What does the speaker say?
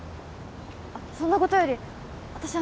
あっそんなことより私